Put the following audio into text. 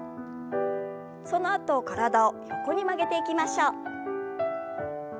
そのあと体を横に曲げていきましょう。